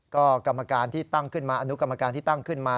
ก็กรรมการที่ตั้งขึ้นมาอนุกรรมการที่ตั้งขึ้นมา